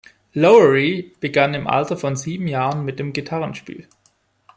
Lowery begann im Alter von sieben Jahren mit dem Gitarrenspiel.